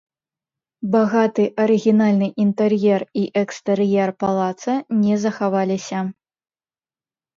Багаты арыгінальны інтэр'ер і экстэр'ер палаца не захаваліся.